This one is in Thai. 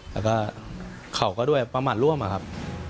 แล้วก็เขาก็ด้วยประมาทร่วมอะครับ